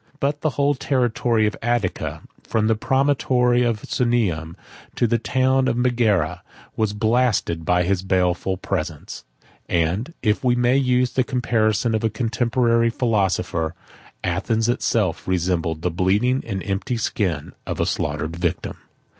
8 But the whole territory of Attica, from the promontory of Sunium to the town of Megara, was blasted by his baleful presence; and, if we may use the comparison of a contemporary philosopher, Athens itself resembled the bleeding and empty skin of a slaughtered victim.